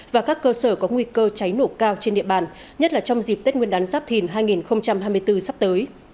và các cơ sở có nguy cơ cháy nổ cao trên địa bàn nhất là trong dịp tết nguyên đán giáp thìn hai nghìn hai mươi bốn sắp tới